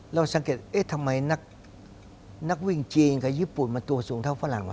เราสังเกตเอ๊ะทำไมนักวิ่งจีนกับญี่ปุ่นมันตัวสูงเท่าฝรั่งวะ